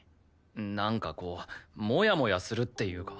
なんかこうモヤモヤするっていうか。